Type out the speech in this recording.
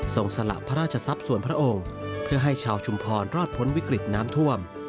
สละพระราชทรัพย์ส่วนพระองค์เพื่อให้ชาวชุมพรรอดพ้นวิกฤตน้ำท่วม